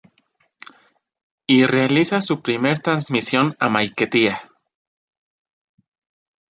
Y realiza su primer transmisión a Maiquetía.